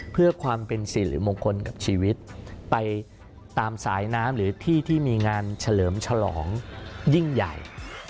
เพื่อความเป็นสิริมงคลกับชีวิตไปตามสายน้ำหรือที่ที่มีงานเฉลิมฉลองยิ่งใหญ่